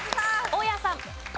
大家さん。